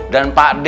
dan pak d